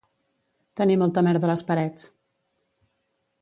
Tenir molta merda a les parets